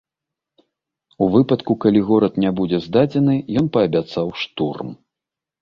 У выпадку, калі горад не будзе здадзены, ён паабяцаў штурм.